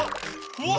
うわ！